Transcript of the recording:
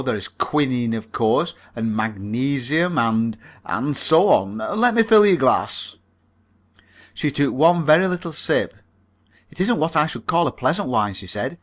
There is quinine, of course, and magnesium, and and so on. Let me fill your glass." She took one very little sip. "It isn't what I should call a pleasant wine," she said.